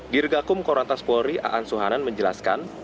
dirgakum korantas polri aan suhanan menjelaskan